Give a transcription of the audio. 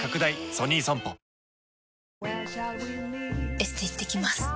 エステ行ってきます。